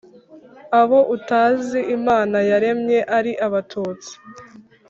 abo utazi Imana yaremye ari abatutsi,